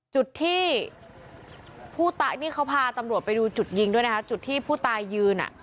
จุดที่ผู้ตายนี่เขาพาตำรวจไปดูจุดยิงด้วยนะคะจุดที่ผู้ตายยืนอ่ะ